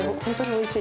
おいしい。